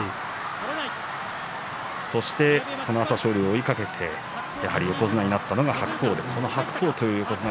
そして朝青龍を追いかけてやはり横綱になったのが白鵬です。